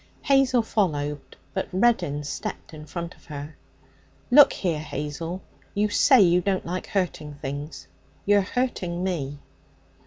Hazel followed. But Reddin stepped in front of her. 'Look here, Hazel! You say you don't like hurting things. You're hurting me!'